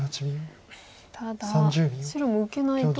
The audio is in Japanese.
ただ白も受けないと。